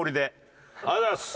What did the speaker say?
ありがとうございます。